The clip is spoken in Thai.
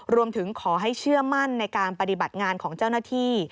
รวมถึงขอให้เชื่อมั่นในการปฏิบัติงานของเจ้าหน้าที่